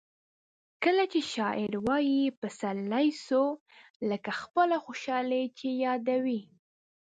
کله چي شاعر وايي پسرلی سو؛ لکه خپله خوشحالي چي یادوي.